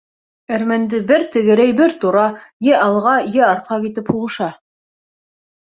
Әрмәнде бер тәгәрәй, бер тора, йә алға. йә артҡа китеп һуғыша.